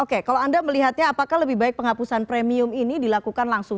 oke kalau anda melihatnya apakah lebih baik penghapusan premium ini dilakukan dengan cara apa